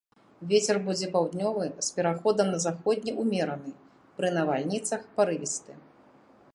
Вецер будзе паўднёвы з пераходам на заходні ўмераны, пры навальніцах парывісты.